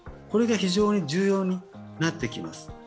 これが非常に重要になってきます。